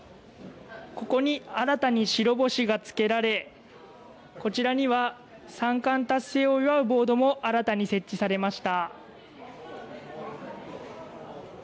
ここに新たに白星がつけられこちらには三冠達成を祝うボードも新たに設置されました。